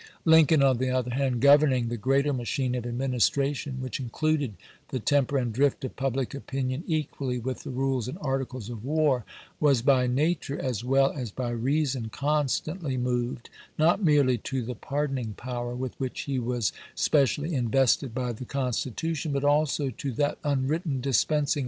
Lincoln, on the other hand, governing the greater machine of admin istration, which included the temper and drift of public opinion equally with the rules and articles of war, was by nature as well as by reason con stantly moved, not merely to the pardoning power with which he was specially invested by the Gon CAMEKON AND STANTON 143 stitution, but also to that unwritten dispensing chap.